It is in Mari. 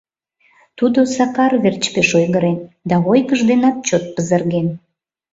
Тудо Сакар верч пеш ойгырен да ойгыж денат чот пызырген.